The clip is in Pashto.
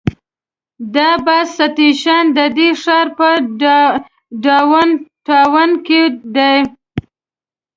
دا بس سټیشن د دې ښار په ډاون ټاون کې دی.